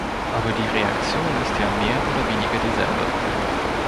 Aber die Reaktion ist ja mehr oder weniger dieselbe.